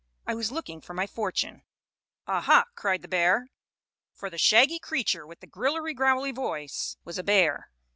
I was looking for my fortune." "Ah, ha!" cried the bear, for the shaggy creature with the grillery growlery voice was a bear.